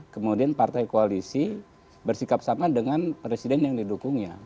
kemudian partai koalisi bersikap sama dengan presiden yang didukungnya